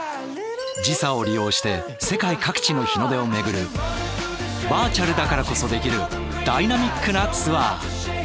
時差を利用して世界各地の日の出を巡るバーチャルだからこそできるダイナミックなツアー。